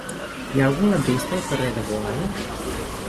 Hi ha algun lampista al carrer de Boada?